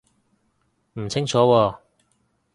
唔清楚喎